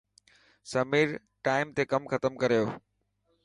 سمير ٽائم تي ڪم ختم ڪريو.